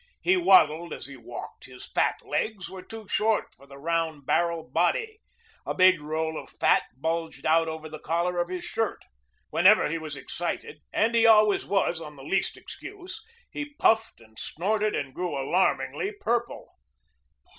He waddled as he walked. His fat legs were too short for the round barrel body. A big roll of fat bulged out over the collar of his shirt. Whenever he was excited and he always was on the least excuse he puffed and snorted and grew alarmingly purple.